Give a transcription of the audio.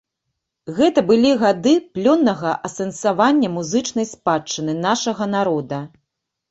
Гэта былі гады плённага асэнсавання музычнай спадчыны нашага народа.